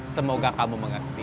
semoga kamu mengerti